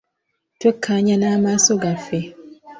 Twekkaanya n'amaaso gaffe.